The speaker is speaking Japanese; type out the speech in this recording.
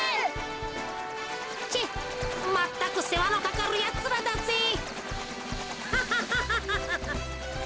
チェッまったくせわのかかるやつらだぜ。ハハハハ。